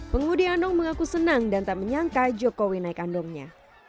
pengemudi andong mengaku senang dan tak menyangka jokowi naik andongnya